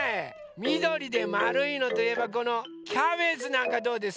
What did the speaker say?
みどりでまるいのといえばこのキャベツなんかどうですか？